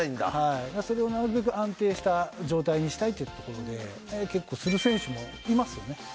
それをなるべく安定した状態にしたいといったところで結構する選手もいますよね。